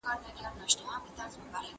ښوونکي کولای سي زموږ پاڼه وړاندي کړي.